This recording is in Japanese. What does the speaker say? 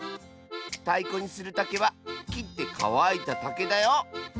たいこにするたけはきってかわいたたけだよ！